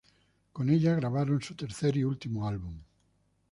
Con ella grabaron su tercer y último álbum.